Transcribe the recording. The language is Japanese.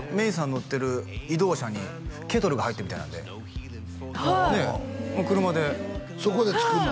乗ってる移動車にケトルが入ってるみたいなんではい車でそこで作るの？